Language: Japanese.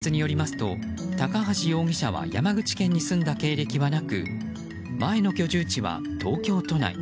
警察によりますと、高橋容疑者は山口県に住んだ経歴はなく前の居住地は東京都内。